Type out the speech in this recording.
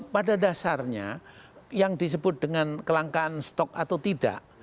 pada dasarnya yang disebut dengan kelangkaan stok atau tidak